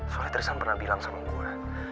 soalnya trisam pernah bilang sama gue